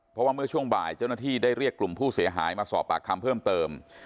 เพราะว่าเมื่อช่วงบ่ายเจ้าหน้าที่ได้เรียกกลุ่มผู้เสียหายมาสอบปากคำเพิ่มเติม